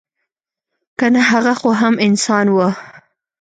که نه هغه خو هم انسان وه.